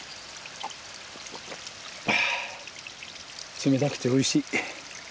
冷たくておいしい。